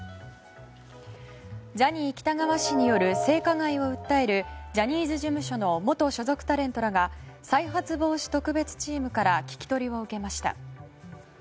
ジャニー喜多川氏による性加害を訴えるジャニーズ事務所の元所属タレントらが再発防止特別チームから聞き取りを受けました。